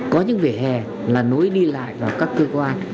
có những vỉa hè là nối đi lại vào các cơ chế